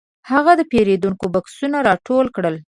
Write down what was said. هغه د پیرود بکسونه راټول کړل.